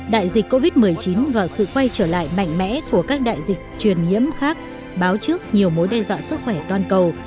đại dịch covid một mươi chín và sự quay trở lại mạnh mẽ của các đại dịch truyền nhiễm khác báo trước nhiều mối đe dọa sức khỏe toàn cầu